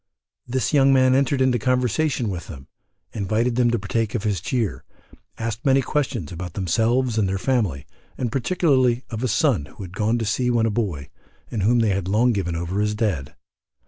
The young man entered into conversation with them, invited them to partake of his cheer, asked many questions about themselves and their family, and particularly of a son who had gone to sea when a boy, and whom they had long given over as dead.